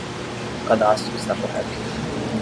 O cadastro está correto